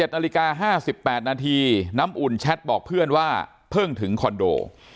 ๑นาฬิกา๕๘นาทีน้ำอุ่นแชทบอกเพื่อนว่าเพิ่งถึงคอนโด